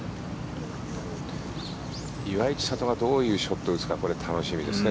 岩井千怜がどういうショットを打つか楽しみですね